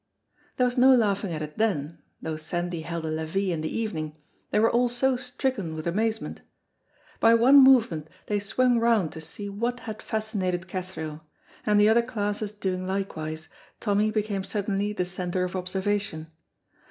There was no laughing at it then (though Sandy held a levee in the evening), they were all so stricken with amazement. By one movement they swung round to see what had fascinated Cathro, and the other classes doing likewise, Tommy became suddenly the centre of observation.